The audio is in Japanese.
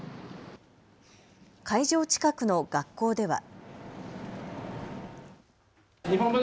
会場近くの学校では。